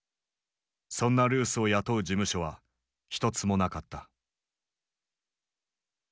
そんなルースを雇う事務所は一つもなかった。